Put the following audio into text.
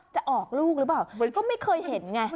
จะออกลูกหรือเปล่าก็ไม่เคยเห็นไง